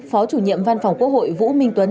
phó chủ nhiệm văn phòng quốc hội vũ minh tuấn